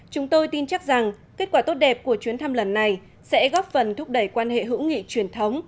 chúng tôi tin chắc rằng kết quả tốt đẹp của chuyến thăm lần này sẽ góp phần thúc đẩy quan hệ hữu nghị truyền thống